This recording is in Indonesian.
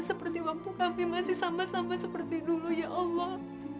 seperti waktu kami masih sama sama seperti dulu ya allah